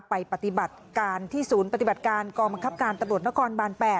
ไปปฏิบัติการที่ศูนย์ปฏิบัติการกมตนบ๘